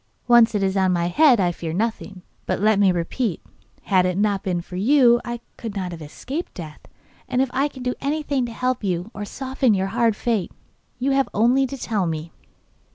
Once it is on my head I fear nothing. But let me repeat; had it not been for you I could not have escaped death, and if I can do anything to help you, or soften your hard fate, you have only to tell me.